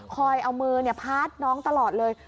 คอยเอามือพัดน้องตลอดเลย